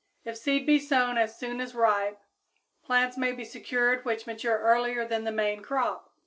If seed be sown as soon as ripe, plants may be secured which mature earlier than the main crop.